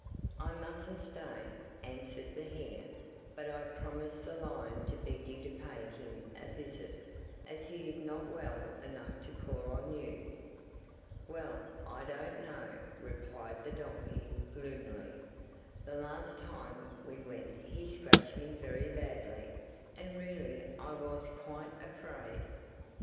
'"I mustn't stay," answered the hare; "but I promised the lion to beg you to pay him a visit, as he is not well enough to call on you." '"Well, I don't know," replied the donkey gloomily, "the last time we went he scratched me very badly, and really I was quite afraid."